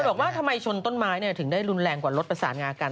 บอกว่าทำไมชนต้นไม้ถึงได้รุนแรงกว่ารถประสานงากัน